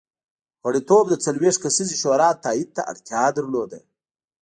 غړیتوب د څلوېښت کسیزې شورا تایید ته اړتیا درلوده.